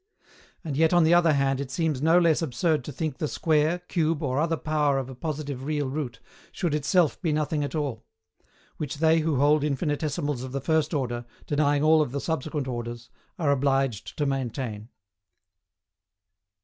And yet on the other hand it seems no less absurd to think the square, cube or other power of a positive real root, should itself be nothing at all; which they who hold infinitesimals of the first order, denying all of the subsequent orders, are obliged to maintain.